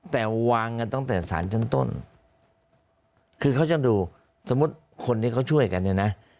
แต่วางกันตั้งแต่สารชั้นต้นคือเขาจะดูสมมุติคนที่เขาช่วยกันเนี่ยนะ